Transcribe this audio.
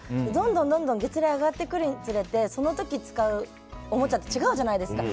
どんどん月齢が上がってくるにつれてその時使うおもちゃって違うじゃないですか。